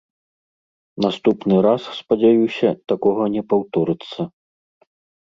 Наступны раз, спадзяюся, такога не паўторыцца.